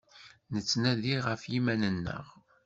Nettnadi γef yiman-nneγ.